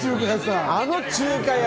あの中華屋。